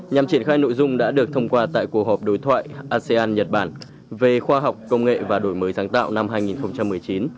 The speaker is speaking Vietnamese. nhằm triển khai nội dung đã được thông qua tại cuộc họp đối thoại asean nhật bản về khoa học công nghệ và đổi mới sáng tạo năm hai nghìn một mươi chín